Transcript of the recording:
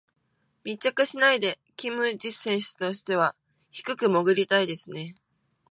密着しないでキム・ジス選手としては低く潜りたいですね。